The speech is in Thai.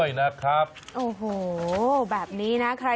อยากแซ่บค่ะ